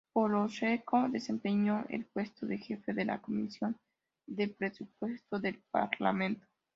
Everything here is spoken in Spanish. Poroshenko desempeñó el puesto de jefe de la comisión de presupuesto del Parlamento.